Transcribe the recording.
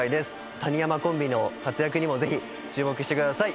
谷山コンビの活躍にもぜひ注目してください。